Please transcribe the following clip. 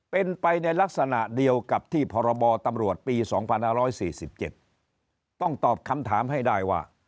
เป็นไปในลักษณะเดียวกับที่พรบตำรวจปี๒๕๔๗ต้องตอบคำถามให้ได้ว่า